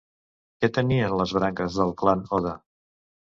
Què tenien les branques del clan Oda?